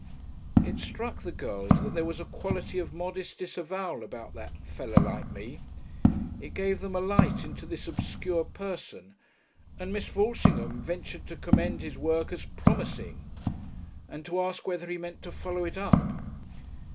It struck the girls that there was a quality of modest disavowal about that "feller like me." It gave them a light into this obscure person, and Miss Walshingham ventured to commend his work as "promising" and to ask whether he meant to follow it up.